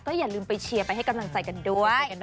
อย่าลืมไปเชียร์ไปให้กำลังใจกันด้วย